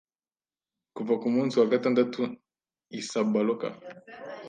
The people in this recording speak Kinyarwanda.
kuva kumunsi wa gatandatu i Sabaloka